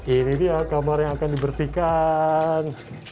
ini dia kamar yang akan dibersihkan